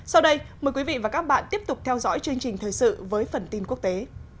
sau đây mời quý vị và các bạn tiếp tục theo dõi chương trình thời sự với phần tin quốc tế